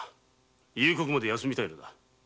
夕刻まで休みたいのだ。